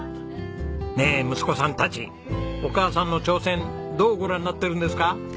ねえ息子さんたちお母さんの挑戦どうご覧になってるんですか？